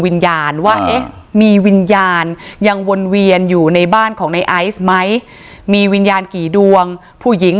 วิญญาณว่าเอ๊ะมีวิญญาณยังวนเวียนอยู่ในบ้านของในไอซ์ไหมมีวิญญาณกี่ดวงผู้หญิง